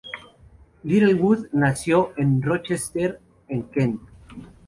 Littlewood nació en Rochester en Kent.